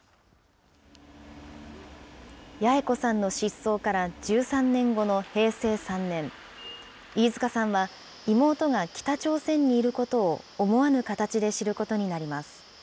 八重子さんの失踪から１３年後の平成３年、飯塚さんは、妹が北朝鮮にいることを思わぬ形で知ることになります。